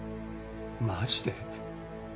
マジで？